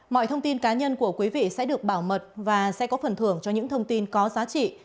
mọi thông tin cá nhân của quý vị sẽ được bảo mật và sẽ có phần thưởng cho những thông tin có giá trị